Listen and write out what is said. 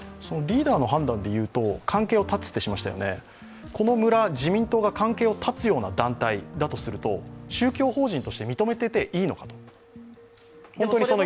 リーダーの判断の理由と関係を断つとしましたよね、この村、自民党が関係を断つような団体だとすると宗教法人として認めてていいのだろうか。